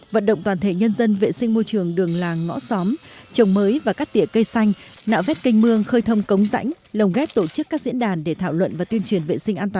vận động toàn thể nhân dân vệ sinh môi trường đường làng ngõ xóm trồng mới và cắt tỉa cây xanh